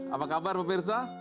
apa kabar pemirsa